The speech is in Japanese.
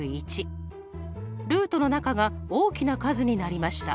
ルートの中が大きな数になりました。